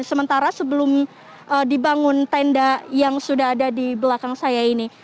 sementara sebelum dibangun tenda yang sudah ada di belakang saya ini